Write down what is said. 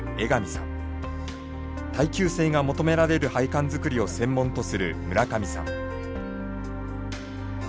耐久性が求められる配管づくりを専門とする村上さん。